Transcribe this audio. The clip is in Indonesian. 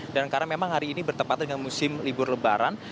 dan karena memang hari ini bertempat dengan musim libur lebaran